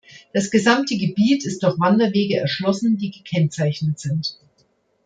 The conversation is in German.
Das gesamte Gebiet ist durch Wanderwege erschlossen, die gekennzeichnet sind.